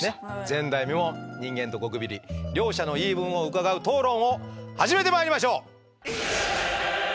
前代未聞人間とゴキブリ両者の言い分を伺う討論を始めてまいりましょう！